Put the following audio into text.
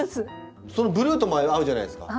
ブルーとも合うじゃないですか。